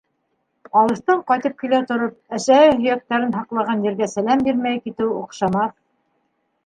Алыҫтан ҡайтып килә тороп, әсәһе һөйәктәрен һаҡлаған ергә сәләм бирмәй китеү оҡшамаҫ.